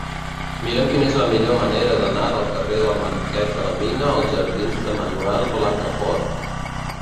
Mira'm quina és la millor manera d'anar del carrer del Marquès de la Mina als jardins de Manuel Blancafort.